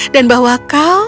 dan bahwa kau